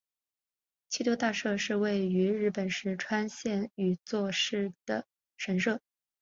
气多大社是位在日本石川县羽咋市的神社。